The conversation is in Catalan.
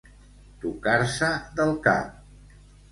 Tocar-se del cap.